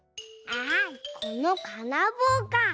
あこのかなぼうか。